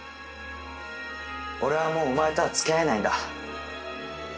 「俺はもうお前とは付き合えないんだ」